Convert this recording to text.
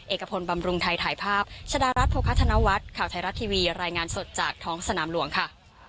เอกพลบำรุงไทยถ่ายภาพชะดารัฐโภคธนวัฒน์ข่าวไทยรัฐทีวีรายงานสดจากท้องสนามหลวงค่ะ